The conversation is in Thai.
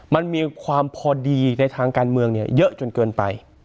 มันมีความพอดีในทางการเมืองเยอะจนเกินไป